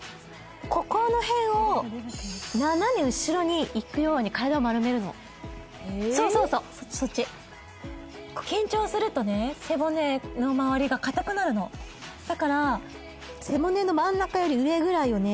ここの辺を斜め後ろにいくように体を丸めるのそうそうそうそっちそっち緊張するとね背骨の周りが硬くなるのだから背骨の真ん中より上ぐらいをね